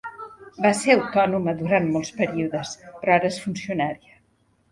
Va ser autònoma durant molts períodes, però ara és funcionària.